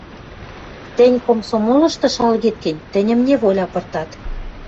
Тӹнь комсомолышты шалгет гӹнь, тӹньӹм неволя пыртат.